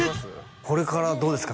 これからどうですか？